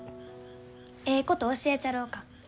えいこと教えちゃろうか？